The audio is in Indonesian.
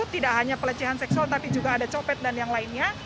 tidak hanya pelecehan seksual tapi juga ada copet dan yang lainnya